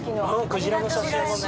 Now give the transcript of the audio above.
クジラの写真もね。